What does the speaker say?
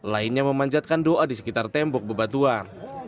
lainnya memanjatkan doa di sekitar tembok bebatuan